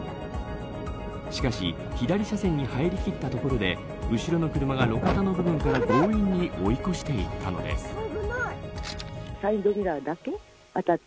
しかし左車線に入りきったところで後ろの車が路肩の部分から強引に追い越していったのです。